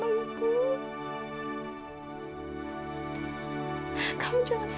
enggak boleh putus asa